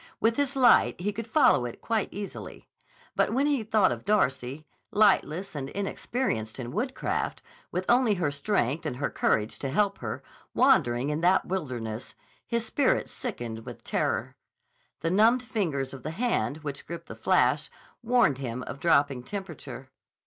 With his light he could follow it quite easily. But when he thought of Darcy, lightless and inexperienced in woodcraft, with only her strength and her courage to help her, wandering in that wilderness, his spirit sickened with terror. The numbed fingers of the hand which gripped the flash warned him of dropping temperature.